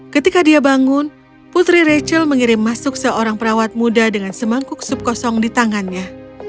ketika dia bangun putri rachel mengirim masuk seorang perawat muda dengan semangkuk sup kosong di tangannya